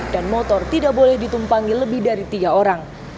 dan motor tidak boleh ditumpangi lebih dari tiga orang